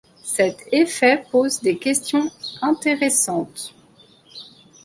Cet effet pose des questions intéressantes.